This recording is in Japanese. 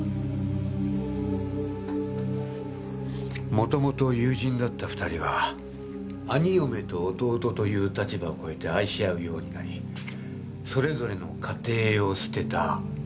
もともと友人だった２人は兄嫁と弟という立場を越えて愛し合うようになりそれぞれの家庭を捨てた。